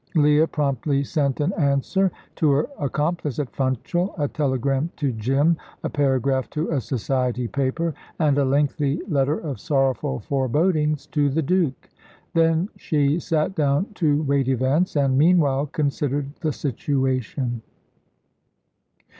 Leah promptly sent an answer to her accomplice at Funchal, a telegram to Jim, a paragraph to a society paper, and a lengthy letter of sorrowful forebodings to the Duke. Then she sat down to wait events, and, meanwhile, considered the situation.